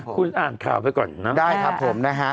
คุณอ่านข่าวไปก่อนนะได้ครับผมนะฮะ